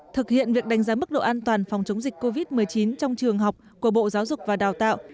thực hiện việc đánh giá mức độ an toàn phòng chống dịch covid một mươi chín trong trường học của bộ giáo dục và đào tạo